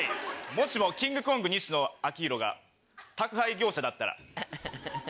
もしもキングコング・西野亮廣が宅配業者だったら。